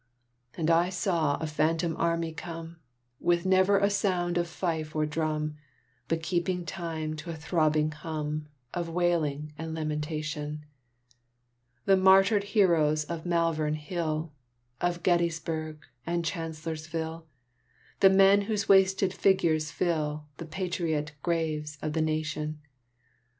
And I saw a phantom army come, With never a sound of fife or drum, But keeping time to a throbbing hum Of wailing and lamentation: The martyred heroes of Malvern Hill, Of Gettysburg and Chancellorsville, The men whose wasted figures fill The patriot graves of the nation.